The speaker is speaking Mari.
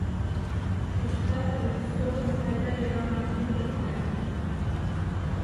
Тыштат режиссёрын айда-йӧра манмыже койын.